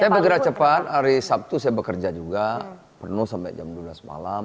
saya bergerak cepat hari sabtu saya bekerja juga penuh sampai jam dua belas malam